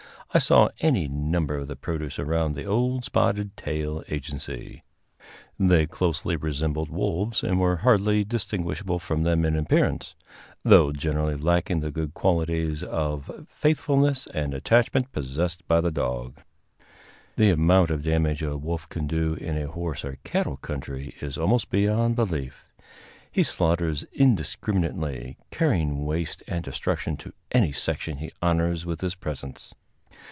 I saw any number of the produce around the old Spotted Tail agency. They closely resembled wolves, and were hardly distinguishable from them in appearance, though generally lacking the good qualities of faithfulness and attachment possessed by the dog. The amount of damage a wolf can do in a horse or cattle country is almost beyond belief. He slaughters indiscriminately, carrying waste and destruction to any section he honors with his presence.